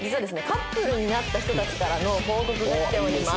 カップルになった人たちからの報告が来ております。